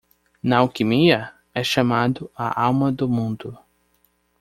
Na alquimia? é chamado a alma do mundo.